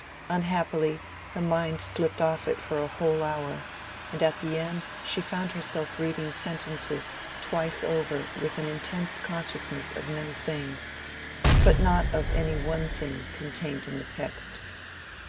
Unhappily her mind slipped off it for a whole hour; and at the end she found herself reading sentences twice over with an intense consciousness of many things, but not of any one thing contained in the text.